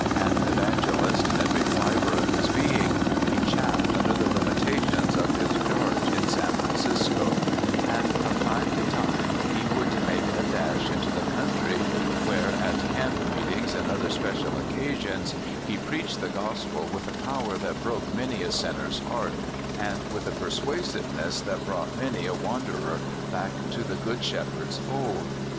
An evangelist in every fiber of his being, he chafed under the limitations of his charge in San Fran cisco, and from time to time he would make a dash into the country, where, at camp meetings and on other special occasions, he preached the gospel with a power that broke many a sinner's heart, and with a persuasiveness that brought many a wanderer back to the Good Shepherd's fold.